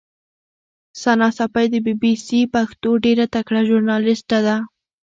ثنا ساپۍ د بي بي سي پښتو ډېره تکړه ژورنالیسټه ده.